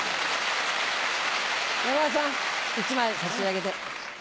山田さん１枚差し上げて。